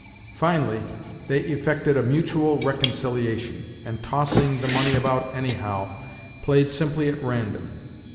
Finally, they effected a mutual reconciliation, and, tossing the money about anyhow, played simply at random.